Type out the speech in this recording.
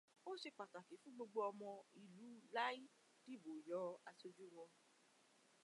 Ó ṣe pàtàkì fún gbogbo ọmọ ìlú lái dìbò yan aṣojú wọn.